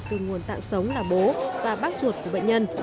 từ nguồn tạng sống là bố và bác ruột của bệnh nhân